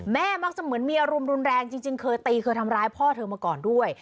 แม่มักจะเหมือนมีอารมณ์รุนแรงจริงเคยตีเคยทำร้ายพ่อเธอมาก่อนด้วย